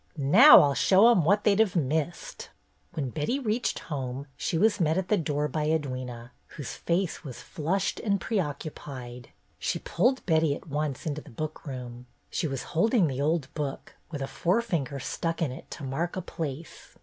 "Now I'll show 'em what they 'd have missed." When Betty reached home, she was met at the door by Edwyna, whose face was flushed and preoccupied. She pulled Betty at once into the book room. She was holding the old book, with a forefinger stuck in it to mark a place.